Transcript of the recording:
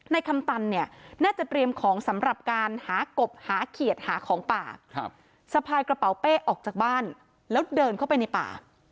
คำตันเนี่ยน่าจะเตรียมของสำหรับการหากบหาเขียดหาของป่าสะพายกระเป๋าเป้ออกจากบ้านแล้วเดินเข้าไปในป่า